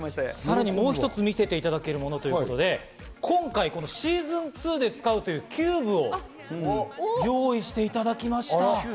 さらにもう一つ見せていただけるものということで今回、Ｓｅａｓｏｎ２で使うキューブを用意していただきました。